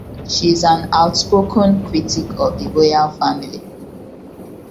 She is an outspoken critic of the royal family.